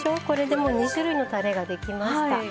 これでもう２種類のたれができました。